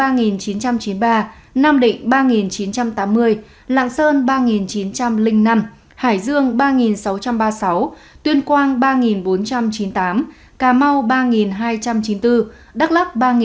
nam định ba chín trăm tám mươi lạng sơn ba chín trăm linh năm hải dương ba sáu trăm ba mươi sáu tuyên quang ba bốn trăm chín mươi tám cà mau ba hai trăm chín mươi bốn đắk lắk ba một trăm một mươi chín